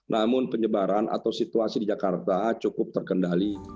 namun penyebaran atau situasi di jakarta cukup terkendali